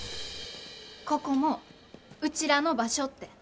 ここもうちらの場所って。